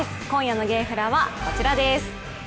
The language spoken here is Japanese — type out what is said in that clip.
今夜のゲーフラはこちらです。